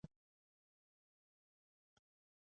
دا خدمتګر د پیرود اجناس لیبل کړل.